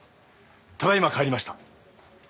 ただ今帰りました。